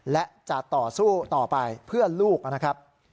และจะต่อสู้ต่อไปเพื่อลูกนะครับ